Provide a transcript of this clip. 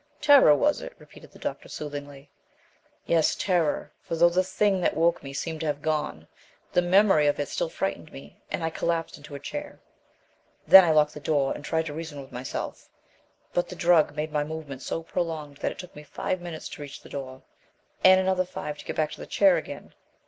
"Terror, was it?" repeated the doctor soothingly. "Yes, terror; for, though the Thing that woke me seemed to have gone, the memory of it still frightened me, and I collapsed into a chair. Then I locked the door and tried to reason with myself, but the drug made my movements so prolonged that it took me five minutes to reach the door, and another five to get back to the chair again.